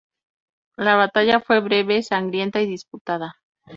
La batalla fue breve, sangrienta y disputada.